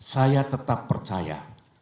saya tetap percaya